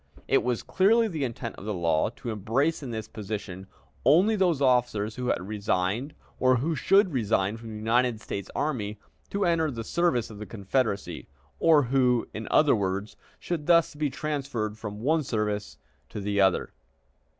It was clearly the intent of the law to embrace in this provision only those officers who had resigned or who should resign from the United States Army to enter the service of the Confederacy, or who, in other words, should thus be transferred from one service to the other.